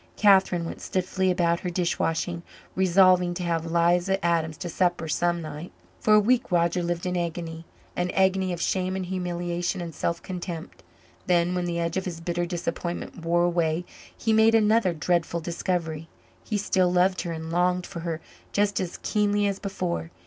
Catherine went stiffly about her dish washing, resolving to have 'Liza Adams to supper some night. For a week Roger lived in agony an agony of shame and humiliation and self contempt. Then, when the edge of his bitter disappointment wore away, he made another dreadful discovery. He still loved her and longed for her just as keenly as before.